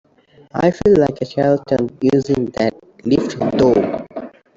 I feel like a charlatan using that lift though.